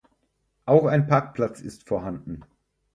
Auch ein Parkplatz ist vorhanden.